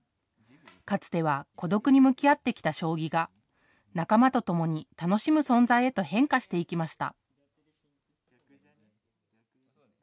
かつては孤独に向き合ってきた将棋が仲間とともに楽しむ存在へと変化していきました。